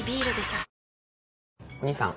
お義兄さん